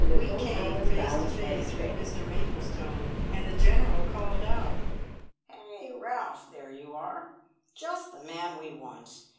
We came face to face with Mr Maplestone, and the General called out: "Hi, Ralph! There you are. Just the man we want.